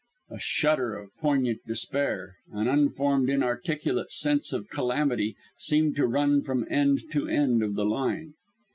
A shudder of poignant despair, an unformed, inarticulate sense of calamity, seemed to run from end to end of the line.